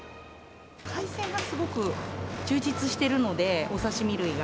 海鮮がすごく充実しているので、お刺身類が。